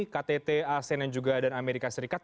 ktt asean dan juga amerika serikat